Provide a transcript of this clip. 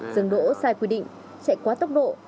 dần đỗ sai quy định chạy quá tốc độ